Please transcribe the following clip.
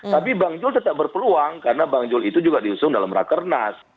tapi bang jul tetap berpeluang karena bang jul itu juga diusung dalam rakernas